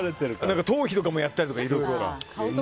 頭皮とかもやったりとかいろいろ。